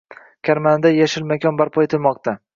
Karmanada “yashil makon” barpo etilmoqdang